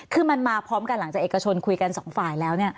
คือมันมาพร้อมกันหลังจากเอกชนคุยกันสองฝ่ายแล้ว